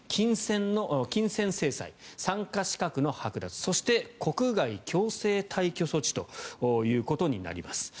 金銭制裁参加資格のはく奪そして、国外強制退去措置ということになります。